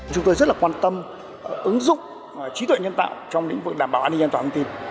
chúng tôi rất là quan tâm ứng dụng trí tuệ nhân tạo trong lĩnh vực đảm bảo an ninh an toàn thông tin